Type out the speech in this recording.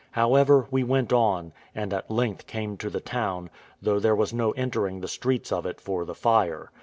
However, we went on, and at length came to the town, though there was no entering the streets of it for the fire.